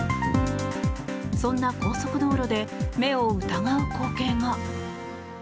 そんな高速道路で目を疑う光景が。